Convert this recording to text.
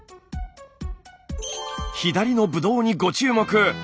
左のブドウにご注目。